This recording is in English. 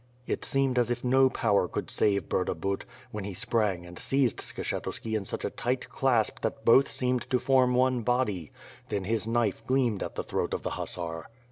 It seemed as if no power could save Burdabut, when he sprang and seized Skshetuski in such a tight clasp that both seemed to form one body — then his knife gleamed at the throat of the hussar.